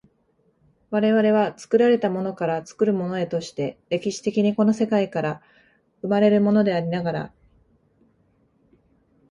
我々は作られたものから作るものへとして、歴史的にこの世界から生まれるものでありながら、